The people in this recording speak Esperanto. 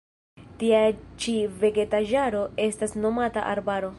Tia ĉi vegetaĵaro estas nomata arbaro.